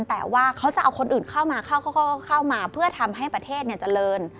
แต่ว่าเขาจะเอาคนอื่นเข้ามาเข้ามาเพื่อทำให้ประเทศเจริญ